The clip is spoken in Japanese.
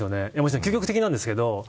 究極的なんですけど。